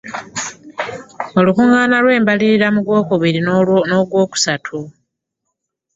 Olukuŋŋaana lw’embalirira mu ogwokubiri n’ogwokusatu.